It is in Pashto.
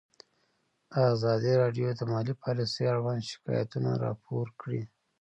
ازادي راډیو د مالي پالیسي اړوند شکایتونه راپور کړي.